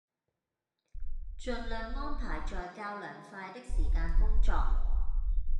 盡量安排在較涼快的時間工作